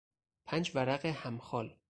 پنج ورق همخال